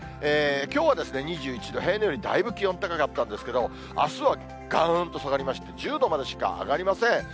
きょうは２１度、平年よりだいぶ気温高かったんですけれども、あすはがーんと下がりまして、１０度までしか上がりません。